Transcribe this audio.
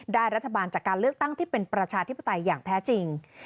รัฐบาลจากการเลือกตั้งที่เป็นประชาธิปไตยอย่างแท้จริง